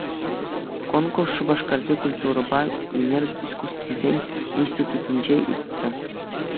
Конкурс Шупашкарти культурӑпа ӳнер искусствисен институтӗнче иртӗ.